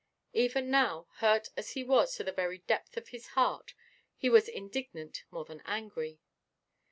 Even now, hurt as he was to the very depth of his heart, he was indignant more than angry.